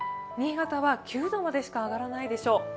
新潟は９度までしか上がらないでしょう。